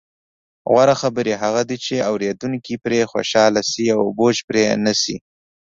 غوره خبرې هغه دي، چې اوریدونکي پرې خوشحاله شي او بوج پرې نه شي.